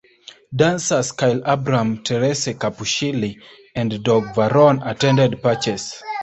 Dancers Kyle Abraham, Terese Capucilli, and Doug Varone attended Purchase.